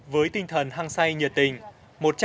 với tinh thần hăng say nhờ tình